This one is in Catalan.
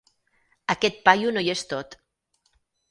Aquest paio no hi és tot.